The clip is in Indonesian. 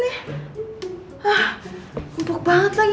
empuk banget lagi